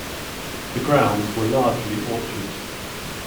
The grounds were largely orchards.